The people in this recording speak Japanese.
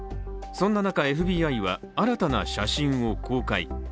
そんな中、ＦＢＩは新たな写真を公開。